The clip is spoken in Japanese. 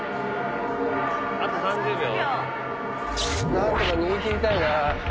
何とか逃げ切りたいな。